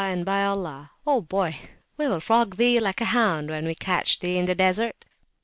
278] and by Allah! O boy, we will flog thee like a hound when we catch thee in the Desert!"